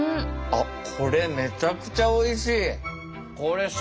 あっこれめちゃくちゃおいしい。